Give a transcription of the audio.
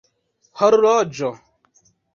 horloĝo